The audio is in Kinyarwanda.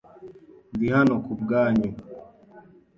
Ndi hano kubwanyu.